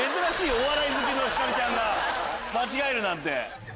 お笑い好きのひかるちゃんが間違えるなんて。